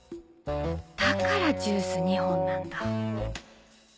だからジュース２本なんだ。